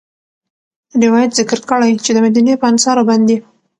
روايت ذکر کړی چې د مديني په انصارو باندي